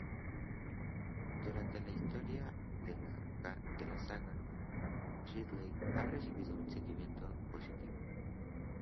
Durante la historia de la saga, Ridley ha recibido un seguimiento positivo.